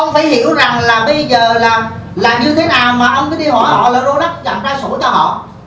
ông phải hiểu rằng là bây giờ là như thế nào mà ông cứ đi hỏi họ là lô đất trầm ra sổ cho họ